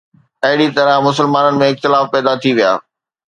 اهڙي طرح مسلمانن ۾ اختلاف پيدا ٿي ويا